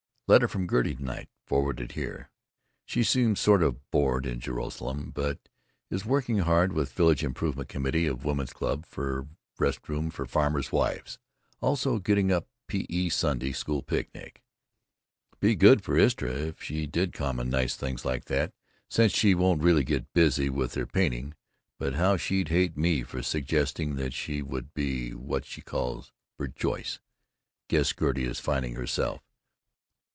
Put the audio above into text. Letter from Gertie to night, forwarded here. She seems sort of bored in Joralemon, but is working hard with Village Improvement Committee of woman's club for rest room for farmers' wives, also getting up P.E. Sunday school picnic. Be good for Istra if she did common nice things like that, since she won't really get busy with her painting, but how she'd hate me for suggesting that she be what she calls "burjoice." Guess Gertie is finding herself.